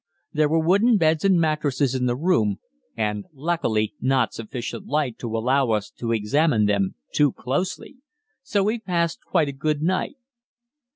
There were wooden beds and mattresses in the room, and luckily not sufficient light to allow us to examine them too closely, so we passed quite a good night.